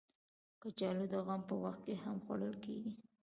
کچالو د غم په وخت هم خوړل کېږي